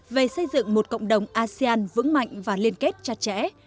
về xây dựng một cộng đồng asean vững mạnh và liên kết chặt chẽ